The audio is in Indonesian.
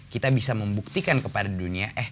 kita bisa membuktikan kepada dunia eh